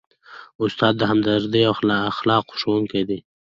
استاد د همدردۍ او اخلاقو ښوونکی دی.